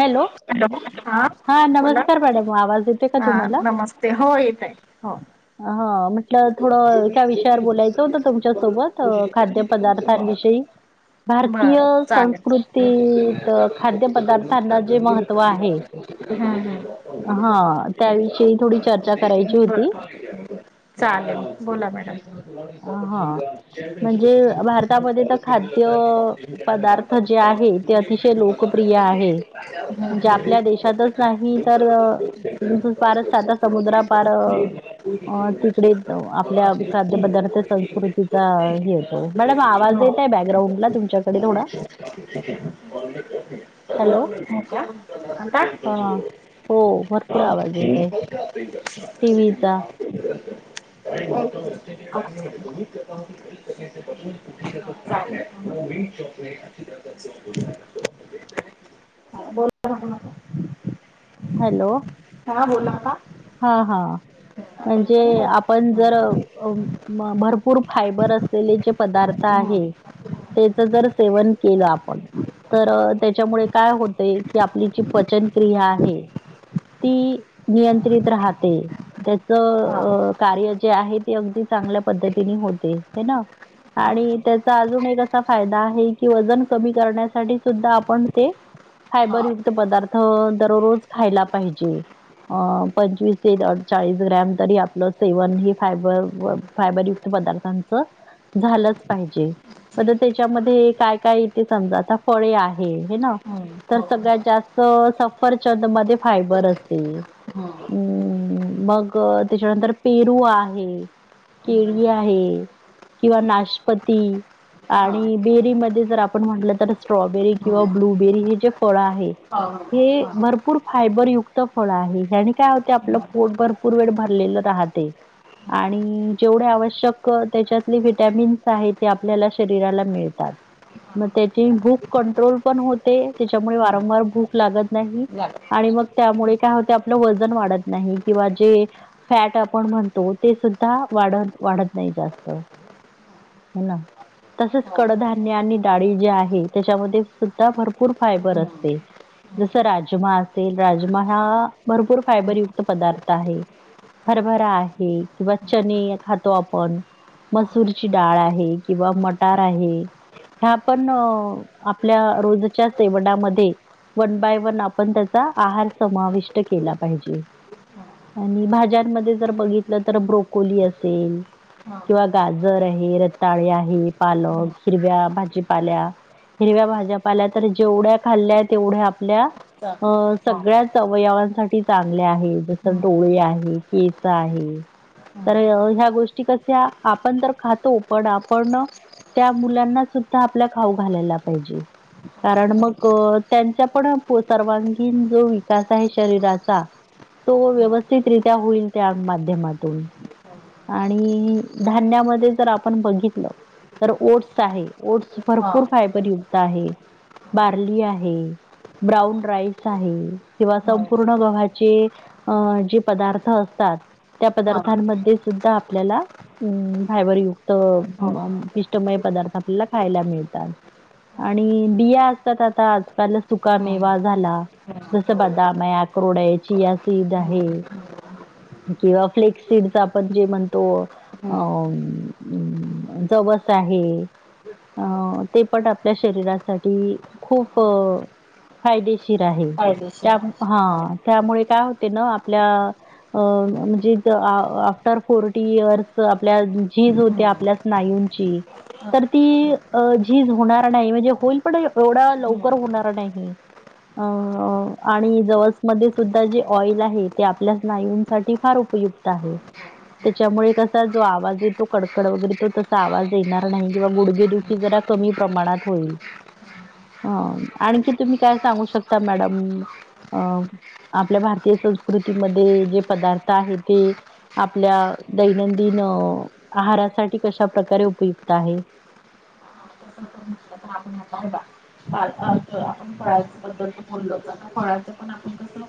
Hello हा बोला नमस्कार मॅडम आवाज देते का हा तुम्हाला नमस्ते हो येत आहे हो ह ह म्हटलं थोडं त्या विषयावर बोलायचं होत तुमच्यासोबत खाद्य पदार्थांविषयी भारतीय बरं चालेल संस्कृतीत खाद्य पदार्थ ह ह हा त्याविषयी थोडी चर्चा करायची ब होती चालेल बोला मॅड हा म्हणजे भारतामध्ये तर खाद्य कॉपि पदार्थ जे आहे ते अतिशय ज मजा लोकप्रिय आहे आ म्हणजे आपल्या देशातच नाही तर पारच सााता समुद्र पार हो ते आपल्या खाद्यपदार्थ संस्कृतीचा हे होेतो मॅडम आवाज येतय बॅकग्राउंडला तुम तुमच्याकडे थोडा के हॅलो हा जा हो भरपूर आवाज येत आहे हा टीव्हीचा ह् आ मीॉले बोल आप हॅलो हा हा म्हणजे त्यांचं आप पण जर भरपूर फायबर असलेले जे पदार्थ आहे नाही बरं त्याच जर सेवन केलं आपण तर त्याच्यामुळे काय होतय की आपली जी पचन क्रिया आहे ती नियंत्रित राहते त्याच हा कार्य जे आहे अगदी चांगल्या पद्धतीने होते ह ना हा आणि त्याचा अजून एक असा फायदा आहे कि वजन कमी करण्यासाठी सुद्धा आपण ते हा फायबरयुक्त पदार्थ दररोज खायला पाहिजे अ पंचवीस तेडचाळीस ग्राम तरी आपलं सेवन हे फायबर फायबरयुक्त पदार्थांच झालंच पाहिजे म त्याच्यामध्ये काय काय तेे समजा आता फळे आहे हे ना हो तर हो हो सगळ्यात जास्त सफरचंद मध्ये फायबर असतेम् मग त्याच्यानंतर पेरू आहे केळी आहे किंवा नाशपती. हा आणि बेरीमध्ये जर आपण म्हटलं तर स्ट्रॉबेरी हा किंवा ब्लूबेरी हे जे फळ आहे. हे हा भरपूर फायबरयुत फळ आहे. काय होते आपलं पोट भरपूर वेळ भरलेलं राहते. आणि जेवढे आवश्यक त्याच्यातले विटॅमिन्स आहे ते आपल्याला शरीराला मिळतात. मग त्याची भूक कंट्रोल पण होते त्याच्यामुळे वारंवार भूक लागत. नाही झालं आणि मग त्यामुळे काय होत आपलं व वजन वाढत नाही किंवा जे फॅट आपण म्हणतो ते सुद्धा वाढत वाढत नाही जास्त. हो ना तसेच हो हा हा कडधान्य आणि डाळी जे आहे त्याच्यामध्ये सुद्धा भरपूर फायबर असते. जस राजमा असेल राजमा हा भरपूर फायबरयुक्त पदार्थ आहे. हरभरा आहे किंवा चने खातो आपण. मसूरची डाळ आहे किंवा मटार आहे. ह्या पण आपल्या रोजच्या सेवनामध्ये वन बाय वन आपण त्याचा आहार समाविष्ट केला पाहिजे. आणि भाज्यांमध्ये जर बघितलं तर ब्रोकोली असेल हा किंवा गाजर आहे रताळे आहे पालक हिरव्या भाजीपाल्या हिरव्या भाज्या पाहिल्या तर जेवढ्या खाल्ल्या तेवढ्या आपल्या अ सगळ्या अवयवांसाठी चांगले आहे जस डोळे आहे केस आहे तर ह्या गोष्टी कशा आपण तर खातो पण आपण त्या मुलांना सुद्धा आपल्या खाऊ घालायला पाहिजे. कारण मग त्यांचा पण सर्वांगीण जो विकास आहे शरीराचा तो व्यवस्थितरित्या होईल त्या माध्यमातून आणि धान्यामध्ये जर आपण बघितलं तर ओट्स आहेत. ओट्स भरपूर फायबरयुक्त आहे. बारली आहे ब्राउन राइस आहे कि संपूर्ण. जे पदार्थ असतात त्या हा हा पदार्थांमध्ये सुद्धा आपल्याला फायबर युक्त अ हा म पिष्टमय मय पदार्थ आपल्याला खायला मिळतात आणि बिया असतात आता आजकाल हम्म, सुकामेवा झाला जसं हम्म, बदाम आहे अक्रोड आहे चियासिड आहे. हम्म, किंवा फ्लेकसिड च जे आपण म्हणतो हम्म. अमममम जवस आहे अ ते पण आपल्या शरीरासाठी खूप फायदेशी आहे फायदेशीर आहे हा हो. त्यामुळे काय होते ना आपल्या अ म्हणजे आफ्टर फोर्टी इयर्स आपल्या झिज होते हम्म, आपल्या स्नायू ची तर ती हम्म, अ झीज होणार नाही म्हणजे होईल पण एवढा हम्म. लवकर होणार नाही. अ आणि जवस मध्ये सुद्धा जे ऑइल आहे ते आपल्या स्नायूं साठी फार उपयुक्त आहे त्याच्यामुळे कसा जो आवाज येतो कडकड वगैरे तो तसा आवाज येणार नाही किंवा गुडगेदुखी जरा क प्रमाणात होईल ह आणखी तुम्ही काय सांगू शकता मॅडम अ आपल्या भारतीय संस्कृतीमध्ये जे पदार्थ आहे ते आपल्या दैनंदिन आहारासाठी कशा प्रकारे उपयुक्त आहे [unintelligible] आपण फळाच्या बद्दल बोललोत आता फळाचं पण आपण कस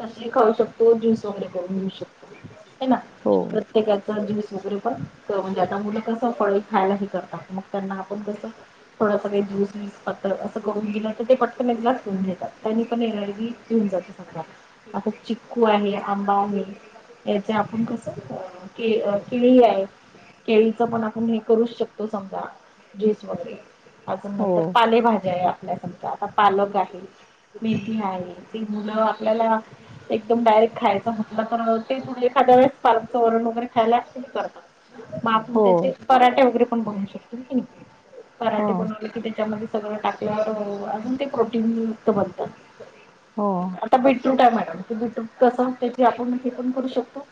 तही खाऊ शकतो ज्यूस वगैरे करून घेऊ शकतो. ना हो, प्रत्येकाचा ज्यूस वगैरे पण. म्हणजे आता मुलं कस फळ खायलाही करतात मग त्यांना आपण कसं थोडस काही्यस पातळ असं करून दिेलं तर ते पटकन एक गाल्स पिऊन घेतात त्यांनी पण येणारघेऊन जाते सगळ्या आता चिक्कू आहे आंबा आहे याचे आपण कसं के अ केळी आहे केळीचं पण आपण हे करूच शकतो समजा ज्यूस वगैरे अजून हो, नंतर पालेभाज्या आपल्या आता पालक आहे मेथी आहे ती मुलं आपल्याला एकदम डायरेक्ट खायचं म्हटलं तर ते तुरले खातात पालकचं वरण वगैरे खायला हे करतात मग आपण हो, त्याचे पराठे वगैरे पण बनवू शकतो होय की नाही हो, पराठे बनवले की त्याच्यामध्ये सगळं टाकल्यावर अजून ते प्रोटीनयुक्त बनतं हो, आता बीटरूट आहे म बिटरुट कसं त्याचे आपण हे पण करू शकतो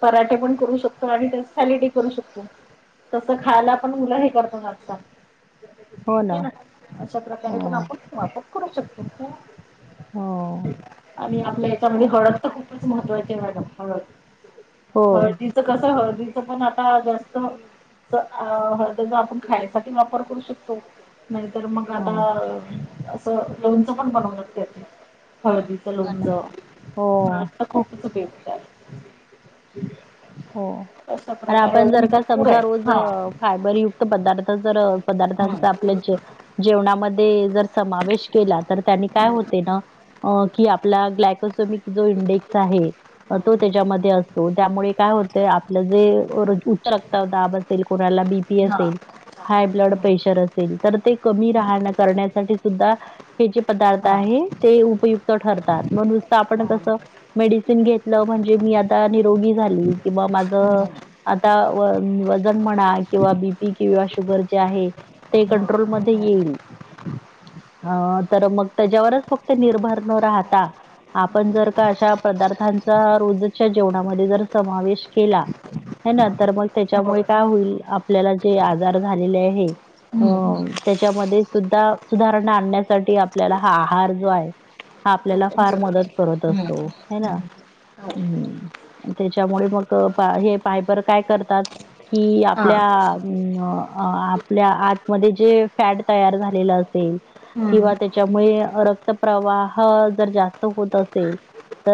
पराठे पण करू शकतो आणि त्या सॅलेडही करू शकतो तस खायला पण मुलं हे करतात आता आहे ना अशा हो, प्रकारे पण आपण वापर करू शकतो हो, आणि आपल्या ह्याच्यामध्ये हळद तर खूपच महत्त्वाची मॅडम हळद हो तिचं कस हळद पण आता जास्त त्याचा आपण खाण्यासाठी वापर करू शकतो नाहीतर मग हो, आता असं लोणचं पण बनवण्यात येतंय हळदीचं हो ना. लोणचं हो, हळद तर खूपच उपयुक्त आहे हो अशा आणि प्रकारे आपण अजून जर का भरपूर समजा आहे रोज हा फायबरयुक्त पदार्थ जर हम्म पदार्थांचा आपल्या ज जेवणामध्ये जर समावेश केला तर त्यांनी काय हम्म होते ना की आपला ग्लायकोसोमिक जो इंडेक्स आहे तो त्याच्यामध्ये असतो त्यामुळे काय होत आपलं जे उच्च रक्तदाब असेल कोणाला बीपी असेल हाय ब्लडप्रेशर असेल तर ते कमी राहायला करण्यासाठी सुद्धा हे जे पदार्थ हा. आहे ते उपयु क्त ठरतात मग नुसतं आपण कसं मेडिसिन घेतलं म्हणजे मी आता निरोगी झाली किंवा माझं आता वजन म्हणा किंवा बीपी किंवा शुगर जे आहे ते कंट्रोलमध्ये येईल ह हा तर मग त्याच्यावरच फक्त निर्भर न राहता आपण जर का अशा पदार्थांचा रोजच्या जेवणामध्ये जर समावेश केला हे ना तर मग त्याच्यामुळे काय होईल आपल्याला जे आजार झालेले आहे हम्म. हं ते त्याच्या मध्ये सुद्धा सुधारणा आणण्यासाठी आपल्याला हा आहार जो आहे हा तो आपल्याला पण फार जरुरी मदत आहे. करत असतो आहे ना हम्म त्याच्यामुळे मग हे फायबर काय करतात की हा. आपल्या अं आपल्या आतमध्ये जे फॅट तयार झालेलं असेल किंवा हम्म. त्याच्यामुळे रक्त प्रवाह जर जास्त होत असेल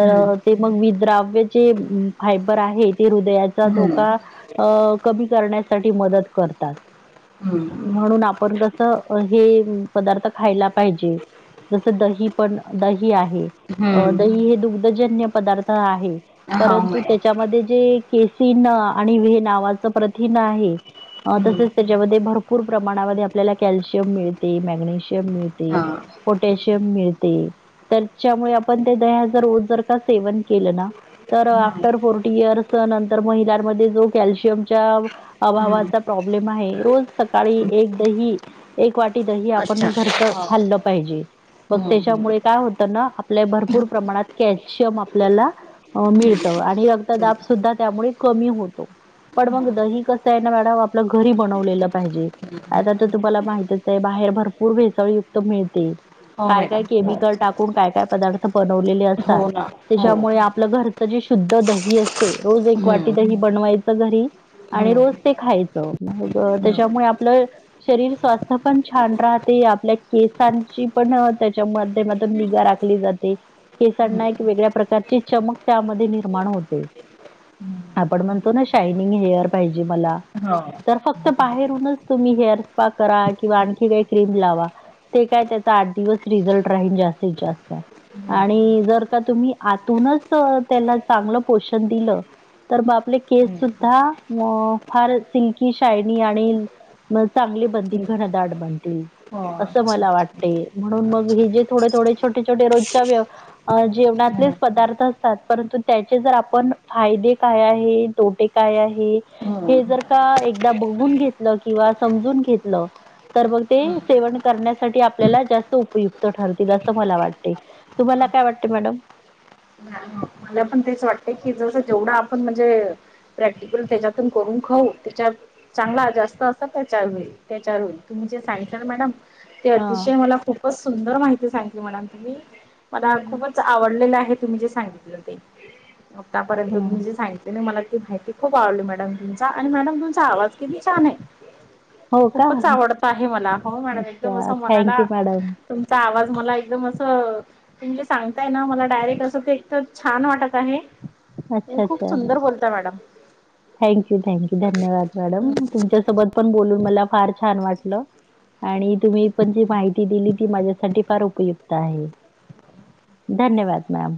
हम्म. ते मग विद्राव्यचे फायबर आहे ते हृदयाचा हम्म. धोका अ कमी करण्यासाठी मदत करतात हम्म. म्हणून आपण कस हे पदार्थ खायला पाहिजे जसं दही पण दही आहे हम्म. दही हे दुग्धजन्य पदार्थ आहे हो म मध्ये जे केसीन आणि व्हे नावाचं प्रथिन आहे अ तसेच त्याच्यामध्ये भरपूर प्रमाणामध्ये आपल्याला कॅल्शियम मिळते मॅग्नेशियम मिळते हा. पोटॅशियम मिळते त्याच्यामुळे आपण त्या दह्याचं रोज जर का सेवन केलं ना तर तर फोर्टी इयर्स नंतर महिलांमध्ये जो कॅल्शियमच्या अभावाचा प्रॉब्लेम आहे रोज सकाळी एक दही एक वाट दही अच्छा. आपण घरचं हा. खाल्लं पाहिजे मग हम्म. हम्म. त्याच्यामुळे काय होतं ना आपल्या भरपूर प्रमाणात कॅल्शियम आपल्याला मिळ आणि रक्तदाब सुद्धा त्यामुळे कमी होतो पण मग दही कसं आहे ना मॅडम आपलं घरी बनवलेलं पाहिजे आता तर तुम्हाला माहितच आहे बाहेर भरपूर भेसाळी युक्त मिळते हो काय काय मॅडम. हो. केमिकल टाकून काय काय पदार्थ बनवलेले असतात हो ना. हो. त्याच्यामुळे आपलं घर च जे शुद्ध दही असते, रोज एक वाटी हम्म. दही बनवायच घरी. आणि रोज हम्म. ते खायचं, त्याच्यामुळे आपलं शरीर स्वास्थ्य पण छान राहते आपल्या केसांची पण त्याच्यामध्ये मतलब निगा राखली जाते. केसांना एक वेगळ्या प्रकारची चमक त्यामध्ये निर्माण होते. आपण म्हणतो ना शायनिंग हेअर पाहिजे मला हा. तर फक्त बाहेरूनच तुम्ही हेअर स्पा करा किंवा आणखी काही क्रीम लावा ते काय त्याचा आठ दिवस रिझल्ट राहील जास्तीत जास्त. आणि जर का तुम्ही आतूनच त्याला चांगलं पोषण दिलं तर मग आपले केस सुद्धा म फार सिल्की शायनी आणि म चांगले बनतील, घनदाट बनतील. हो. असं मला वाटते, म्हणून मग हे जे थोडे-थोडे, छोटे-छोटे रोजच्या व्य जेवणात आप पदार्थ परंतु त्याचे जर आपण फायदे काय आहे तोटे काय आहे हे हम्म. जर का एकदा बघून घेतलं किंवा समजून घेतलं तर मग ते हम्म. सेवन करण्यासाठी आपल्याला जास्त उपयुक्त ठरतील असं मला वाटतय, तुम्हाला काय वाटतय मॅडम? ह मला पण तेच वाटते की जसं जेवढा आपण म्हणजे प्रॅक्टिकल त्याच्यातून करून खाऊ त्याच्या चांगला जास्त असर त्याच्या त्यावर होईल. जे सांगितलं ना मॅडम, ते हा. अतिशय मला खूपच सुंदर माहिती सांगतील मॅडम तुम्ही. मला हं. खूपच आवडलेलं आहे तुम्ही जे सांगितलं ते. आतापर्यंत हं. तुम्ही जे सांगितलं ना मला माहिती खूप आवडली मॅडम, तुमचा आणि मॅडम तुमचा आवाज किती छान आहे. हो का? खूपच आवडत आहे मला, हो मॅडम! एकदम असा अच्छा. थँक मनाला यू मॅडम. तुमचा आवाज मला एकदम असं तुम सांगताय ना मला डायरेक्ट असं ते एक तर छान वाटत आहे. तुम्ही खूप सुंदर बोलता मॅडम. थँक्यू! थँक्यू! धन्यवाद मॅडम, तुमच्यासोबत पण बोलून मला फार छान वाटलं. आणि तुम्ही पण जी माहिती दिली ती माझ्यासाठी फार उपयुक्त आहे. धन्यवाद मॅम.